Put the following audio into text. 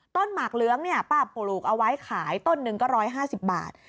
หมากเหลืองเนี่ยป้าปลูกเอาไว้ขายต้นหนึ่งก็๑๕๐บาท